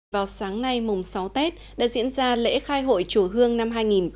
vào sáng nay mùng sáu tết đã diễn ra lễ khai hội chùa hương năm hai nghìn hai mươi